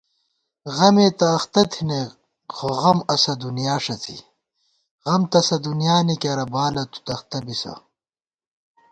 غمےتہ اختہ تھنَئیک خو غم اسہ دُنیا ݭڅی * غم تسہ دُنیانی کېرہ بالہ تُو تختہ بِسہ